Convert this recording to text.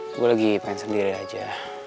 aku lagi pengen sendiri aja